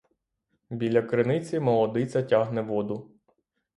Біля криниці молодиця тягне воду.